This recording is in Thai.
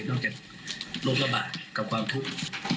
จากลมระบาดกับความทุกข์